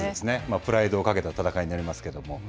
プライドをかけた戦いになりますか。